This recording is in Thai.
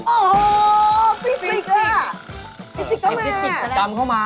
โอ้โฮฟิจิกส์น่ะ